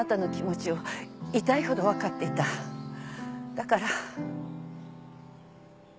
だから。